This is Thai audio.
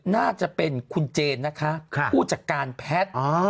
น่าจะเป็นคุณเจนนะคะผู้จัดการแพทย์